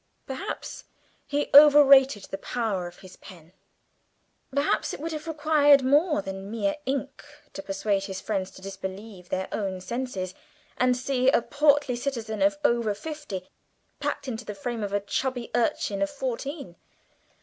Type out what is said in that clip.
Perhaps he overrated the power of his pen perhaps it would have required more than mere ink to persuade his friends to disbelieve their own senses, and see a portly citizen of over fifty packed into the frame of a chubby urchin of fourteen.